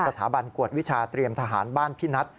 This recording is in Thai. สถาบันกวดวิชาเตรียมทหารบ้านพี่นัท